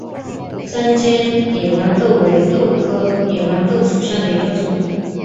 三尖野豌豆为豆科野豌豆属下的一个种。